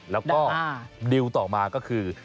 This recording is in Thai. แล้วก็ดิวต่อมาก็คือ